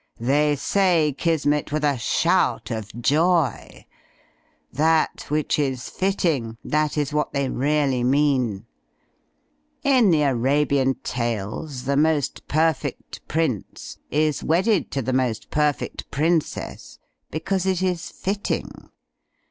They say 'Kismet' 3o6 THE FLYING INN with a shout of joy. That which is fitting — ^that is what they really mean. In the Arabian tales, the most perfect prince is wedded to the most perfect princess — because it is fitting.